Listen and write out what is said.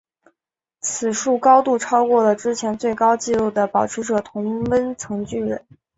此树高度超过了之前最高纪录的保持者同温层巨人。